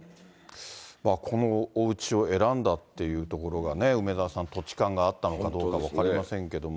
このおうちを選んだというところがね、梅沢さん、土地勘があったとはどうか分かりませんけども。